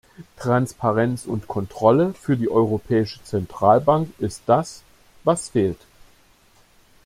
Transparenz und Kontrolle für die Europäische Zentralbank ist das, was fehlt.